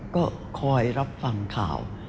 ก็คอยรับฟังข่าว